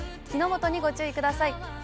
火の元にご注意ください。